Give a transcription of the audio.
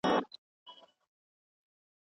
د پښتون خبره ولوېدله خولو ته